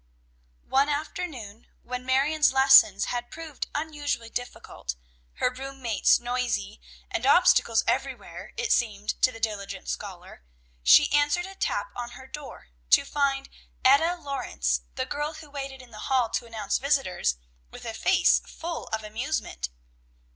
One afternoon when Marion's lessons had proved unusually difficult, her room mates noisy, and obstacles everywhere, it seemed to the diligent scholar, she answered a tap on her door, to find Etta Lawrence, the girl who waited in the hall to announce visitors, with a face full of amusement.